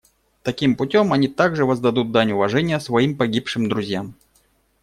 Таким путем они также воздадут дань уважения своим погибшим друзьям.